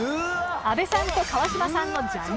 阿部さんと川島さんのジャニーズ対決。